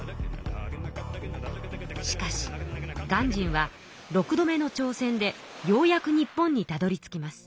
しかし鑑真は６度目の挑戦でようやく日本にたどりつきます。